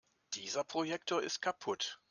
Dieser Projektor ist kaputt.